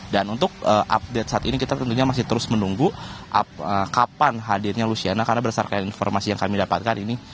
dan untuk update saat ini kita tentunya masih terus menunggu kapan hadirnya lusiana karena berdasarkan informasi yang kami dapatkan ini